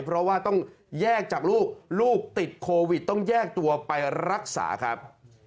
เพราะว่าต้องแยกจากลูกลูกติดโควิดต้องแยกตัวไปรักษาครับ